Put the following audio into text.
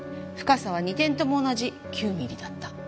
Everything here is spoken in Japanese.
深さは２点とも同じ９ミリだった。